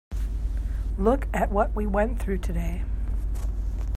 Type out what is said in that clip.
Look at what we went through today.